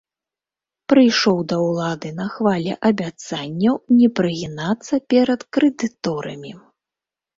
Прыйшоў да ўлады на хвалі абяцанняў не прагінацца перад крэдыторамі.